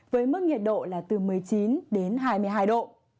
với mức nhiệt độ là từ một mươi chín đến hai mươi hai độ